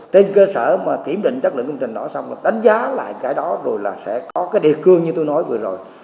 trên cơ sở mà kiểm định chất lượng công trình đó xong là đánh giá lại cái đó rồi là sẽ có cái đề cương như tôi nói vừa rồi